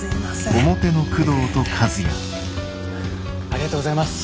ありがとうございます。